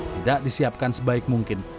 tidak disiapkan sebaik mungkin